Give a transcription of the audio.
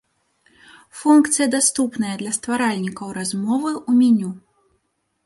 Функцыя даступная для стваральнікаў размовы ў меню.